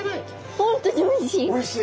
本当においしい。